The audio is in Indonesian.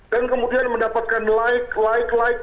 dan kemudian mendapatkan like like like